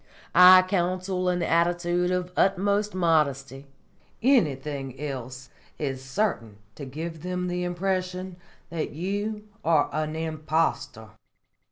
I counsel an attitude of uttermost modesty; anything else is certain to give them the impression that you are an impostor.